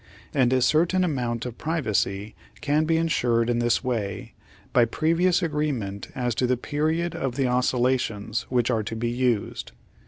And a certain amount of privacy can be ensured in this way by previous agreement as to the period of the oscillations which are to be used.